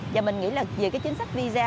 và mình nghĩ là vì cái chính sách visa